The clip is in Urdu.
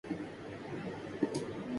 وہ ہوٹل کافی لیٹ پہنچی